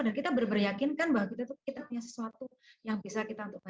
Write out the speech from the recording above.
dan kita berberyakinkan bahwa kita punya sesuatu yang bisa kita untuk mencari